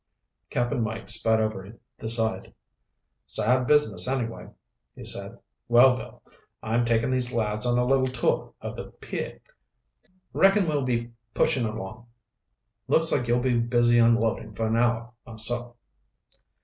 Cap'n Mike spat over the side. "Sad business, anyway," he said. "Well, Bill, I'm taking these lads on a little tour of the pier. Reckon we'll be pushing along. Looks like you'll be busy unloading for an hour or so."